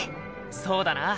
そうだな。